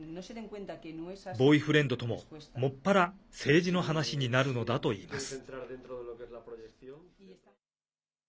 ボーイフレンドとも専ら政治の話になるのだといいます。